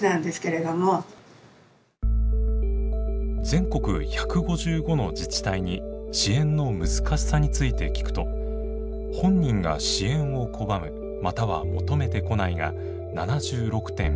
全国１５５の自治体に支援の難しさについて聞くと「本人が支援を拒むまたは求めてこない」が７６．１％。